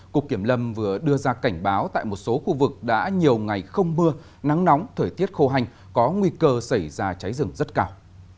cục kiểm lâm vừa đưa ra cảnh báo tại một số khu vực đã nhiều ngày không mưa nắng nóng thời tiết khô hành có nguy cơ xảy ra cháy rừng rất cao